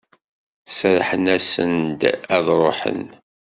Serrḥen-asen-d ad d-ruḥen?